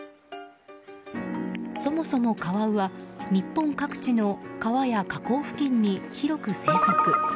そもそもカワウは日本各地の川や河口付近に広く生息。